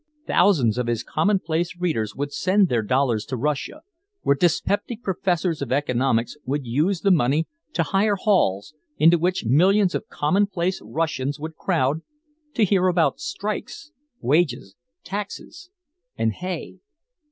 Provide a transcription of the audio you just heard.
Thousands of his commonplace readers would send their dollars to Russia, where dyspeptic professors of economics would use the money to hire halls, into which millions of commonplace Russians would crowd to hear about strikes, wages, taxes and hay!